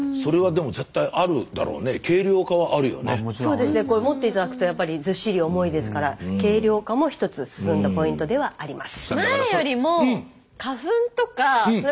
これ持って頂くとやっぱりずっしり重いですから軽量化も１つ進んだポイントではあります。